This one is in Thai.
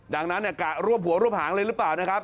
ดังนั้นกะรวบหัวรวบหางเลยหรือเปล่านะครับ